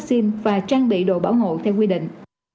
xin và trang bị đồ bảo hộ theo quy định